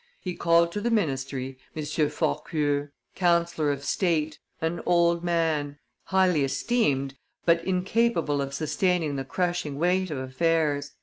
He called to the ministry M. Fourqueux, councillor of state, an old man, highly esteemed, but incapable of sustaining the crushing weight of affairs.